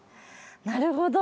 なるほど。